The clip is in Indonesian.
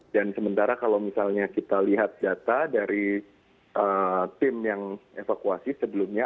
dan sementara kalau misalnya kita lihat data dari tim yang evakuasi sebelumnya